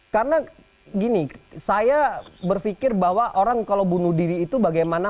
karena gini saya berpikir bahwa orang kalau bunuh diri itu bagaimana